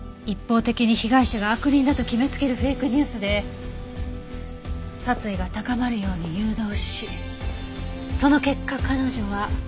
一方的に被害者が悪人だと決めつけるフェイクニュースで殺意が高まるように誘導しその結果彼女は。